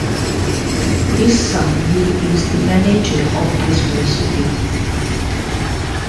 His son Lee is the manager of Bristol City.